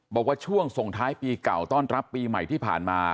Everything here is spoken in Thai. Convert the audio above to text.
บอกว่าช่วงส่งท้ายปีเก่าต้อนรับปีใหม่ที่ผ่านมา